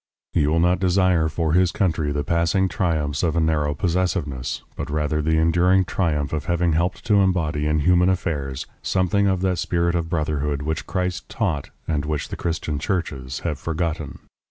He will not desire for his country the passing triumphs of a narrow possessiveness, but rather the enduring triumph of having helped to embody in human affairs something of that spirit of brotherhood which Christ taught and which the Christian churches have forgotten.